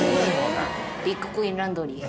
ビッグコインランドリー。